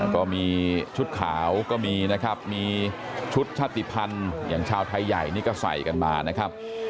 ก็มีชุดขาวก็มีนะครับมีชุดชาติภัณฑ์อย่างชาวไทยใหญ่นี่ก็ใส่กันมานะครับ